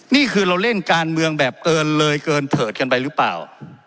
นี่คือเราเล่นการเมืองแบบเอิญเลยเกินเถิดกันไปหรือเปล่า